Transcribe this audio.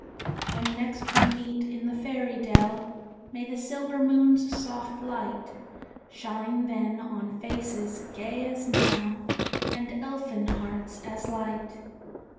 When next we meet in the Fairy dell, May the silver moon's soft light Shine then on faces gay as now, And Elfin hearts as light.